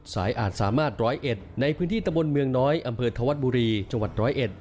อาจสามารถร้อยเอ็ดในพื้นที่ตะบนเมืองน้อยอำเภอธวัดบุรีจังหวัดร้อยเอ็ด